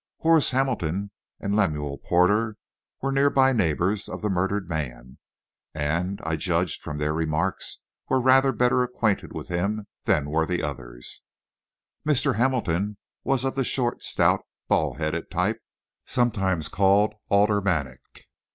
Horace Hamilton and Lemuel Porter were near by neighbors of the murdered man, and; I judged from their remarks, were rather better acquainted with him than were the others. Mr. Hamilton was of the short, stout, bald headed type, sometimes called aldermanic.